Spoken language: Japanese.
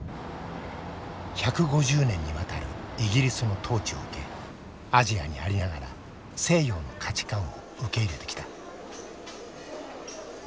１５０年にわたるイギリスの統治を受けアジアにありながら西洋の価値観を受け入れてきた。